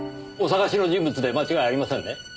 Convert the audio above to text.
お捜しの人物で間違いありませんね？